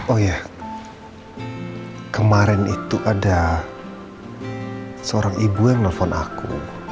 oh ya kemarin itu ada seorang ibu yang nelfon aku